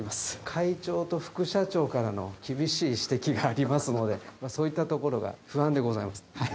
会長と副社長からの厳しい指摘がありますので、そういったところが不安でございます。